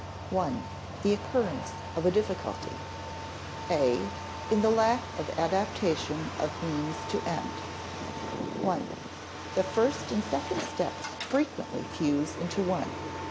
[Sidenote: 1. The occurrence of a difficulty] [Sidenote: (a) in the lack of adaptation of means to end] 1. The first and second steps frequently fuse into one.